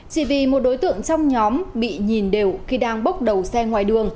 chỉ vì một đối tượng trong nhóm bị nhìn đều khi đang bốc đầu xe ngoài đường